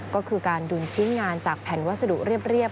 ก็คือการดุลชิ้นงานจากแผ่นวัสดุเรียบ